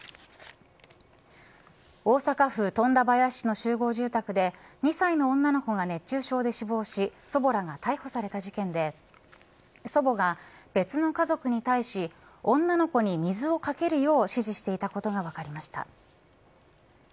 大阪府富田林市の集合住宅で２歳の女の子が熱中症で死亡し祖母らが逮捕された事件で祖母が別の家族に対し女の子に水をかけるよう指示していたことが分かりました。